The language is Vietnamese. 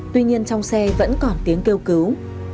tuy nhiên trong xe vẫn còn tiếng kêu cứu